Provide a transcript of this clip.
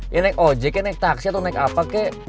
ya naik ojek ya naik taksi atau naik apa kek